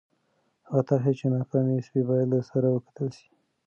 هغه طرحې چې ناکامې سوې باید له سره وکتل سي.